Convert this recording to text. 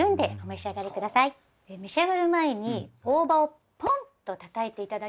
召し上がる前に大葉をポンッとたたいて頂けると。